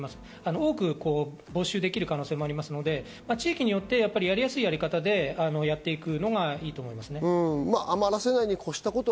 多く募集できる可能性もありますので、地域によってやりやすいやり方でやるのがいいと思いますね。